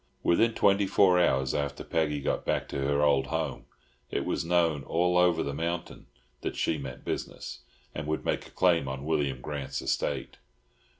Within twenty four hours after Peggy got back to her old home, it was known all over the mountains that she meant business, and would make a claim on William Grant's estate.